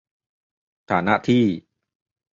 ฐานะที่